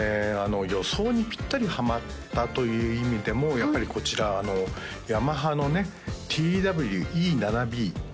予想にピッタリハマったという意味でもやっぱりこちらのヤマハのねＴＷ−Ｅ７Ｂ